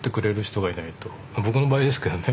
僕の場合ですけどね。